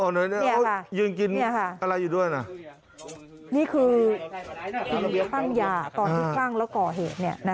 นี่ค่ะนี่ค่ะนี่คือตั้งยาตอนที่ตั้งแล้วก่อเหตุนะฮะ